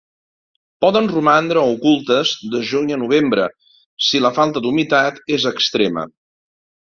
Poden romandre ocultes de juny a novembre si la falta d'humitat és extrema.